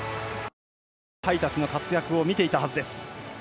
後輩たちの活躍を見ていたはずです。